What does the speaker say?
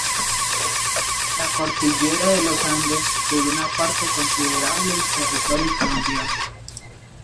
La Cordillera de los Andes cubre una parte considerable del territorio colombiano.